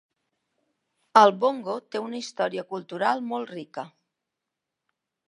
El bongo té una història cultural molt rica.